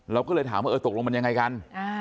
เราก็เลยถามว่าเออตกลงมันยังไงกัน